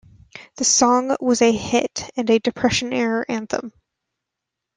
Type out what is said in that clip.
The song was a hit and a Depression era anthem.